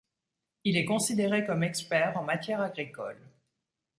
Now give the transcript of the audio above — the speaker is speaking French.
Il est considéré comme expert en matières agricoles.